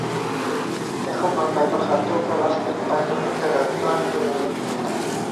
Мәхүб апай, был хатты уҡығас, бик ҡайғырырһығыҙ, иларһығыҙ инде.